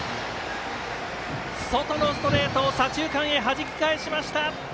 外のストレートを左中間へはじき返しました！